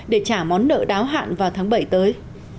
để trả món nợ đáo hạn vào tháng bảy tới